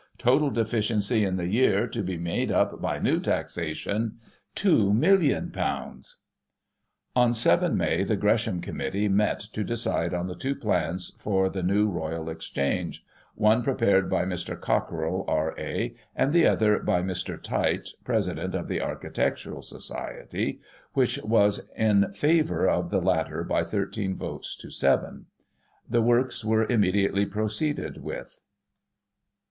Total deficiency in the year, to be made up by new taxation, ;£'2,ooo, ooo !" On 7 May, the Gresham Committee met to decide on the two plans for the New Royal Exchange, one prepared by Mr. Cockerell, R.A., and the other by Mr. Tite, President of the Architectural Society, which was in favour of the latter by 13 votes to 7. The works were immediately proceeded with.